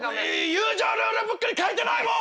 友情ルールブックに書いてないもん！